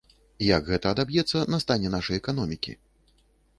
Як гэта адаб'ецца на стане нашай эканомікі?